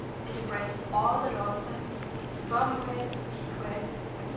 It embraces all the dolphins, Sperm whales, beaked whales, etc.